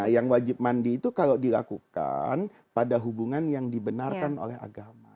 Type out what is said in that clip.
yang wajib mandi itu kalau dilakukan pada hubungan yang dibenarkan oleh agama